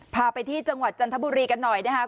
พาไปที่จังหวัดจันทบุรีกันหน่อยนะครับ